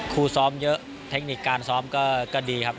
ซ้อมเยอะเทคนิคการซ้อมก็ดีครับ